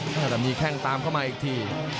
แล้วแบบนี้แข้งตามเข้ามาอีกที